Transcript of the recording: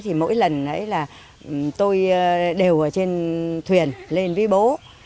thì mỗi lần đấy là tôi đều ở trên thuyền lên với bố